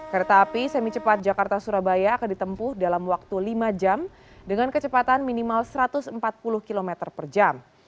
kereta api semi cepat jakarta surabaya akan ditempuh dalam waktu lima jam dengan kecepatan minimal satu ratus empat puluh km per jam